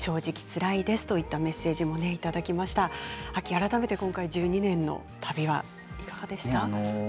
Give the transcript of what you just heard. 改めて１２年の旅はいかがでしたか。